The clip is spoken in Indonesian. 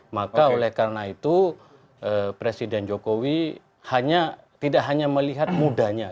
maka oleh karena itu presiden jokowi tidak hanya melihat mudanya